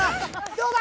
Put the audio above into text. どうだ？